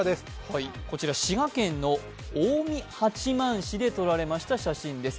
こちら滋賀県の近江八幡市で撮られた写真です。